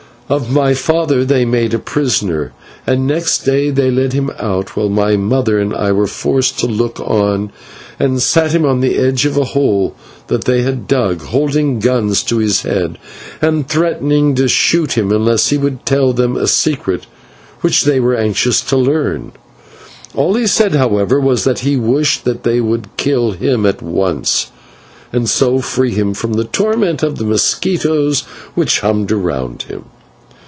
Of my father they made a prisoner, and next day they led him out while my mother and I were forced to look on, and sat him by the edge of a hole that they had dug, holding guns to his head and threatening to shoot him unless he would tell them a secret which they were anxious to learn. All he said, however, was that he wished that they would kill him at once, and so free him from the torment of the mosquitoes which hummed around him.